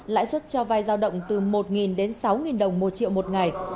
lãi suất cho vai giao động từ một đến sáu đồng một triệu một ngày